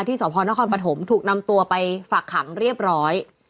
สพนครปฐมถูกนำตัวไปฝากขังเรียบร้อย